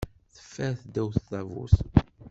Teffer ddaw tdabut.